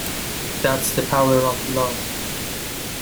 That's the power of love.